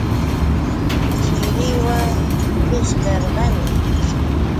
Chiriwan qishyarqani.